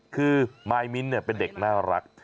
คือมายมิ้นเป็นเด็กน่ารัก